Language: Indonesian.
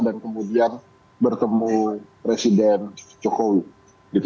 dan kemudian bertemu presiden jokowi